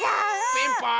ピンポーン！